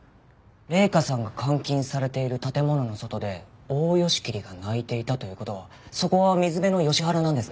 麗華さんが監禁されている建物の外でオオヨシキリが鳴いていたという事はそこは水辺のヨシ原なんですね。